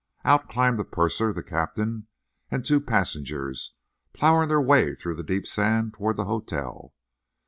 Out climbed the purser, the captain and two passengers, ploughing their way through the deep sand toward the hotel.